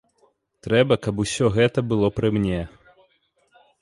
Трэба, каб усё гэта было пры мне.